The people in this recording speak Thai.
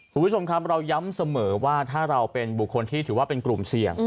คุณผู้ชมครับเราย้ำเสมอว่าถ้าเราเป็นบุคคลที่ถือว่าเป็นกลุ่มเสี่ยง